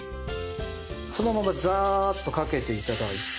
そのままザーッとかけて頂いて。